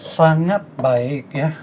sangat baik ya